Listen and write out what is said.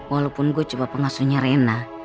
walaupun gue cuma pengasuhnya rena